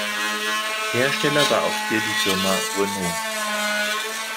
Hersteller war auch hier die Firma Renault.